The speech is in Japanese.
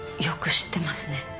よく知ってますね。